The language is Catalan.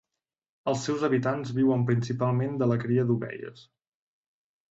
Els seus habitants viuen principalment de la cria d'ovelles.